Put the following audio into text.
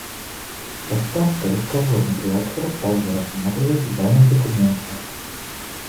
Поставка легководных реакторов также рассматривалась в данном документе.